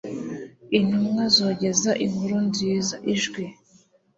intumwa zogeza inkuru nziza, ijwi